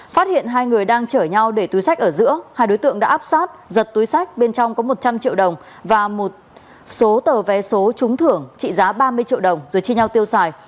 phát hiện hai người đang chở nhau để túi sách ở giữa hai đối tượng đã áp sát giật túi sách bên trong có một trăm linh triệu đồng và một số tờ vé số trúng thưởng trị giá ba mươi triệu đồng rồi chia nhau tiêu xài